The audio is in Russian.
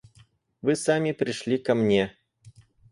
Вы сами пришли ко мне.